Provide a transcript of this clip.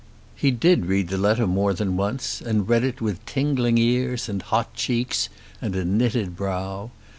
He did read the letter more than once, and read it with tingling ears, and hot cheeks, and a knitted brow.